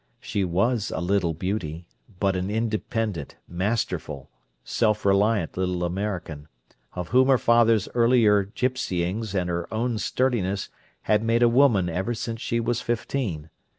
She was "a little beauty," but an independent, masterful, sell reliant little American, of whom her father's earlier gipsyings and her own sturdiness had made a woman ever since she was fifteen.